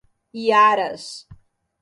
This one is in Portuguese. Iaras